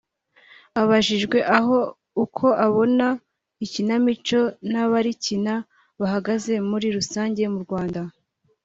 Abajijwe aho uko abona ikinamico n’abarikina bahagaze muri rusange mu Rwanda